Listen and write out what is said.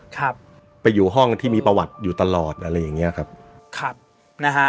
ครับไปอยู่ห้องที่มีประวัติอยู่ตลอดอะไรอย่างเงี้ยครับครับนะฮะ